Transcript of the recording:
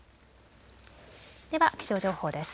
では気象情報です。